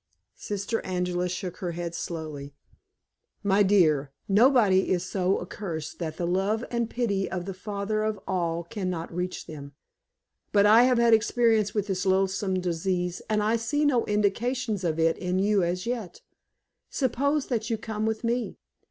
Sister Angela shook her head slowly. "My dear, nobody is so accursed that the love and pity of the Father of all can not reach them. But I have had experience with this loathsome disease, and I see no indications of it in you as yet. Suppose that you come with me?